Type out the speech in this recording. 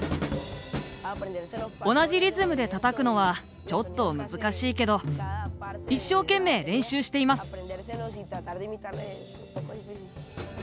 同じリズムでたたくのはちょっと難しいけど一生懸命練習しています。